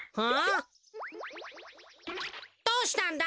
どうしたんだ？